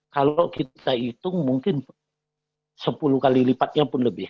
kalau kita hitung mungkin sepuluh kali lipatnya pun lebih